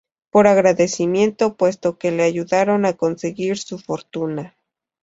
Por agradecimiento, puesto que le ayudaron a conseguir su fortuna.